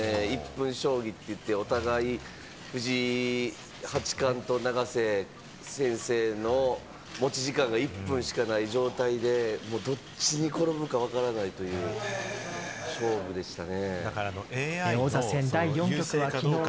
すごい将棋あったんですよね、１分将棋って言って、お互い、藤井八冠と永瀬先生の持ち時間が１分しかない状態で、もうどっちに転ぶかわからない勝負でしたね。